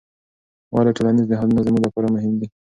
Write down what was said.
ولې ټولنیز نهادونه زموږ لپاره مهم دي؟